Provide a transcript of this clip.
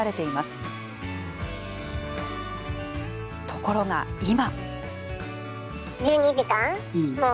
ところが今。